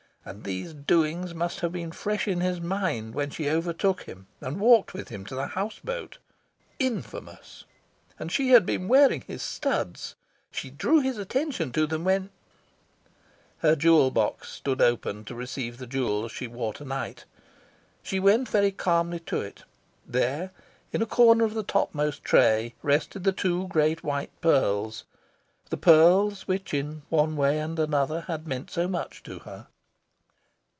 And these doings must have been fresh in his mind when she overtook him and walked with him to the house boat! Infamous! And she had then been wearing his studs! She drew his attention to them when Her jewel box stood open, to receive the jewels she wore to night. She went very calmly to it. There, in a corner of the topmost tray, rested the two great white pearls the pearls which, in one way and another, had meant so much to her.